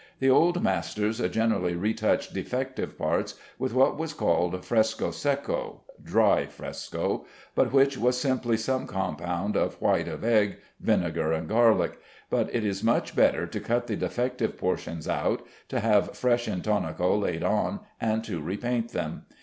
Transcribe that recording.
The old masters generally retouched defective parts with what was called fresco secco (dry fresco), but which was simply some compound of white of egg, vinegar, and garlic; but it is much better to cut the defective portions out, to have fresh intonaco laid on, and to repaint them.